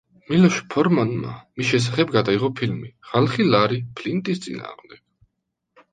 მილოშ ფორმანმა მის შესახებ გადაიღო ფილმი „ხალხი ლარი ფლინტის წინააღმდეგ“.